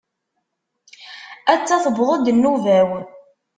Atta tewweḍ-d nnuba-w.